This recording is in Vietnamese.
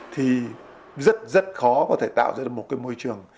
thì rất rất khó có thể tạo ra một môi trường